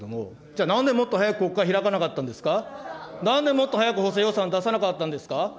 じゃあ、なんでもっと早く国会開かなかったんですか、なんでもっと早く補正予算出さなかったんですか。